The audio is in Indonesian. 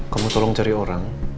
kamu tolong cari orang